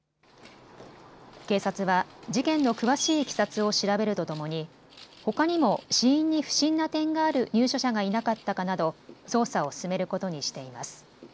警察は事件の詳しいいきさつを調べるとともにほかにも死因に不審な点がある入所者がいなかったかなど捜査を進めることにしています。